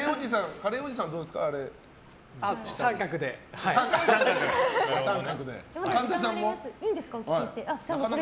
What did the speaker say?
カレーおじさん、どうですか？